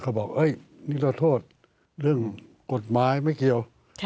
เขาบอกนี่เราโทษเถอะกจมายไม่เกี่ยว